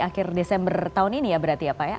akhir desember tahun ini ya berarti ya pak ya